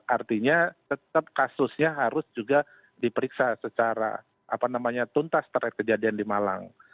artinya tetap kasusnya harus juga diperiksa secara tuntas terkait kejadian di malang